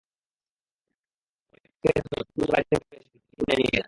অনেক ক্রেতা আবার ব্যক্তিগত গাড়িতে করে এসে মাদক কিনে নিয়ে যান।